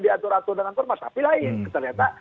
diatur atur dengan ormas tapi lain ternyata